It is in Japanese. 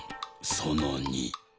その２。